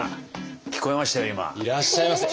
聞こえましたよ